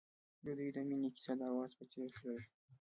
د دوی د مینې کیسه د اواز په څېر تلله.